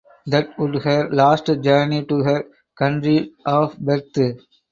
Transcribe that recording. That would her last journey to her country of birth.